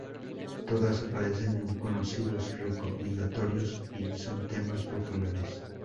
Todas aparecen en conocidos recopilatorios y son temas populares.